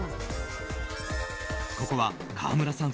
ここは川村さん